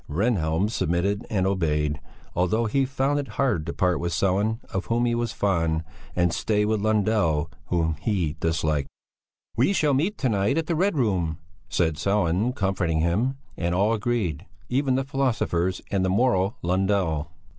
Rehnhjelm submitted and obeyed, although he found it hard to part with Sellén, of whom he was fond, and stay with Lundell whom he disliked. "We shall meet to night at the Red Room," said Sellén, comforting him, and all agreed, even the philosophers and the moral Lundell.